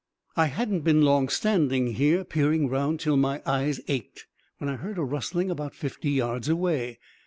"I hadn't been long standing here, peering round till my eyes ached, when I heard a rustling about fifty yards away.